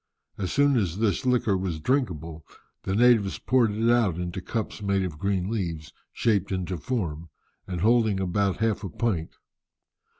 As soon as this liquor was drinkable, the natives poured it out into cups made of green leaves, shaped into form, and holding about half a pint.